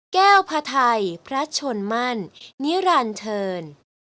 แก้วพระไทยพระชนมั่นนิรันเชิญ